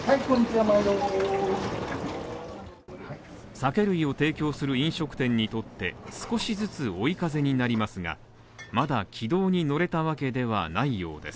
酒類を提供する飲食店にとって少しずつ追い風になりますが、まだ軌道に乗れたわけではないようです。